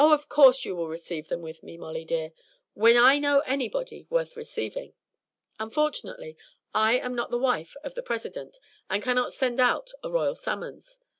"Of course you will receive with me, Molly dear when I know anybody worth receiving. Unfortunately I am not the wife of the President and cannot send out a royal summons.